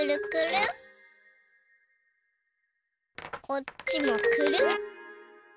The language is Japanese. こっちもくるん。